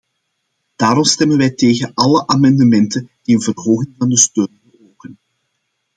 Daarom stemmen wij tegen alle amendementen die een verhoging van de steun beogen.